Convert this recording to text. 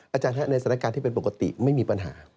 อาจารย์ในสถานการณ์ที่เป็นปกติไม่มีปัญหา